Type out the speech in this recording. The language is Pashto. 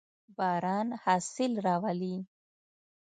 باران حاصل راولي.